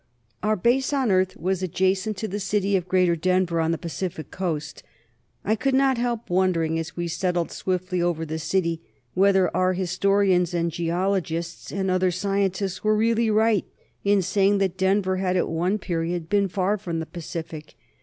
Our Base on Earth was adjacent to the city of Greater Denver, on the Pacific Coast. I could not help wondering, as we settled swiftly over the city, whether our historians and geologists and other scientists were really right in saying that Denver had at one period been far from the Pacific.